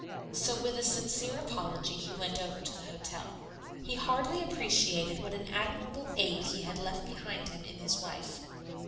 So with a sincere apology he went over to the hotel. He hardly appreciated what an admirable aide he had left behind him in his wife.